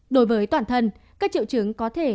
đối với toàn thân các triệu chứng có thể